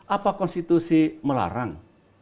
apa konstitusi melarang